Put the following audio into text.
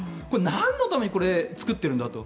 なんのために作ってるんだと。